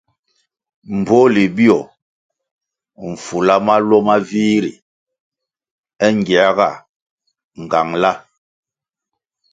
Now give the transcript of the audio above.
Mbpohli bio mfula maluo ma vih ri é ngiehga nğangla.